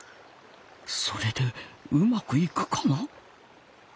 それでうまくいくかな。